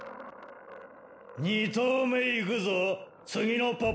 ２投目行くぞッ！